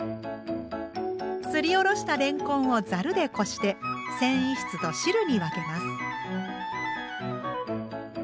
すりおろしたれんこんをざるでこして繊維質と汁に分けます。